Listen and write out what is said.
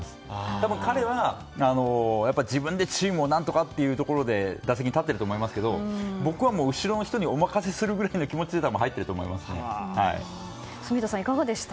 ただ彼は、自分でチームを何とかというところで打席に立っていると思いますけど僕は後ろの人にお任せするぐらいの気持ちで住田さん、いかがでした？